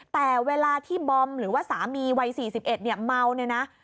แต่เวลาที่บอมหรือว่าสามีวัย๔๑เนี่ยเมาเนี่ยนะ